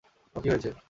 তোমার কি হয়েছে?